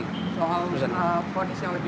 soal ponis yang lebih tinggi daripada penuntut umum